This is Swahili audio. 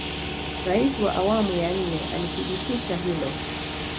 raisi wa awamu ya nne alithibitisha hilo